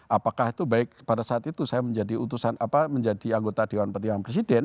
apakah itu baik pada saat itu saya menjadi anggota dewan pertihan presiden